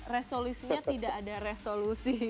resolusinya tidak ada resolusi